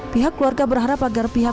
pihak keluarga berharap agar pihak